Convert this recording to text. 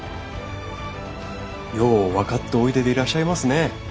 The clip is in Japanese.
よう分かっておいででいらっしゃいますね。